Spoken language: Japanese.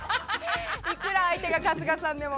いくら相手が春日さんでも。